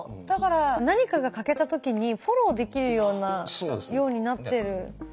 だから何かが欠けた時にフォローできるようになってる。